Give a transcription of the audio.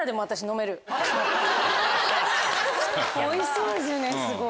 おいしそうですよねすごい。